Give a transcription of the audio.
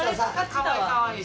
かわいいかわいい。